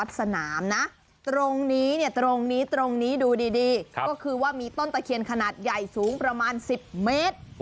ตรงนี้ตรงนี้ตรงนี้ดูดีก็คือว่ามีต้นร่างเกียร์ขนาดใหญ่สูงประมาณ๑๐เมตร